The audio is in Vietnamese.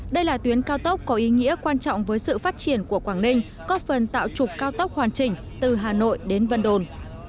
đây là tuyến cao tốc có ý nghĩa quan trọng với sự phát triển của quảng ninh có phần tạo trục cao tốc hoàn chỉnh từ hà nội đến vân đồn